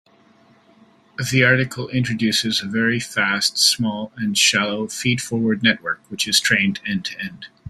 The article introduces a very fast, small, and shallow feed-forward network which is trained end-to-end.